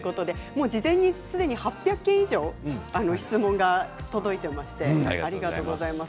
すでに８００件以上質問が届いていましてありがとうございます。